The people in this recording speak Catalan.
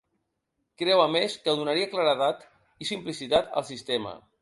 Creu, a més, que donaria ‘claredat i simplicitat al sistema’.